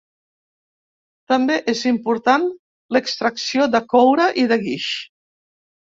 També és important l'extracció de coure i de guix.